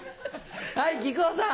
はい木久扇さん。